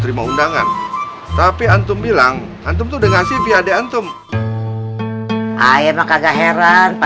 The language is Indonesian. terus gimana nih bar